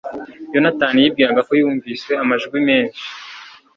yonatani yibwiraga ko yumvise amajwi menshi